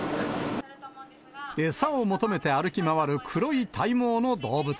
餌を求めて歩き回る黒い体毛の動物。